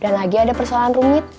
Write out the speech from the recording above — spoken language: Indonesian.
dan lagi ada persoalan rumit